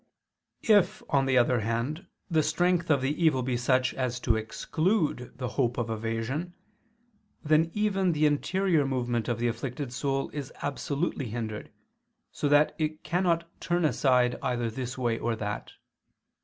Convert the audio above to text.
If, on the other hand, the strength of the evil be such as to exclude the hope of evasion, then even the interior movement of the afflicted soul is absolutely hindered, so that it cannot turn aside either this way or that.